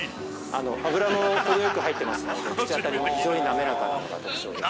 脂もほどよく入ってますので口当たりも非常になめらかなのが特徴です。